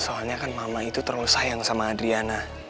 soalnya kan mama itu terlalu sayang sama adriana